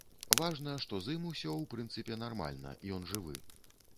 Важна, што з ім усё, у прынцыпе, нармальна, ён жывы.